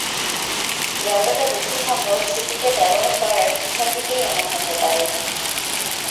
যতটা বেশি সম্ভব ছুটিকে ব্যবহার করার ইচ্ছা থেকেই এমন হতে পারে।